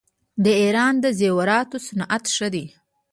د ایران د زیوراتو صنعت ښه دی.